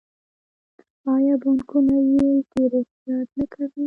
آیا بانکونه یې ډیر احتیاط نه کوي؟